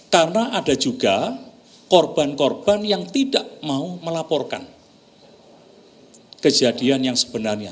karena ada juga korban korban yang tidak mau melaporkan kejadian yang sebenarnya